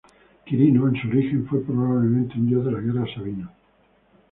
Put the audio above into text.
Quirino, en su origen, fue probablemente un dios de la guerra sabino.